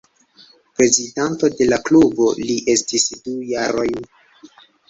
Prezidanto de la klubo li estis du jarojn.